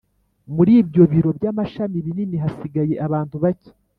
Muri ibyo biro by’amashami binini hasigaye abantu bake